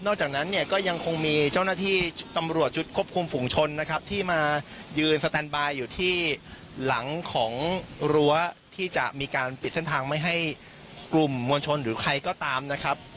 จากนั้นเนี่ยก็ยังคงมีเจ้าหน้าที่ตำรวจชุดควบคุมฝุงชนนะครับที่มายืนสแตนบายอยู่ที่หลังของรั้วที่จะมีการปิดเส้นทางไม่ให้กลุ่มมวลชนหรือใครก็ตามนะครับ